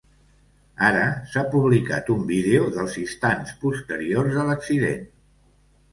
Ara s’ha publicat un vídeo dels instants posteriors a l’accident.